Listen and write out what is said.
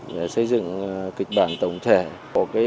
để xây dựng kịch bản tổng thể của cơ sở vật chất